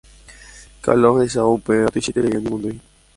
Kalo ohechávo upéva tuichaiterei oñemondýi